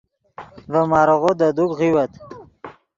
ڤے ماریغو دے دوک غیوت